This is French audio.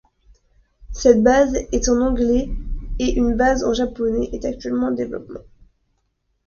Cette base est en anglais et une base en japonais est actuellement en développement.